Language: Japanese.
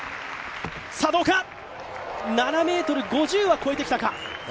７ｍ５０は超えてきたか。